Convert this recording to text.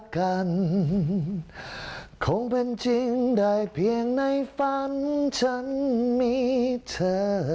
คงเป็นจริงได้เพียงในฝันฉันมีเธอ